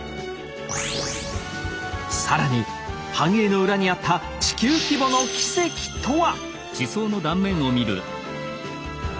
更に繁栄の裏にあった地球規模の奇跡とは？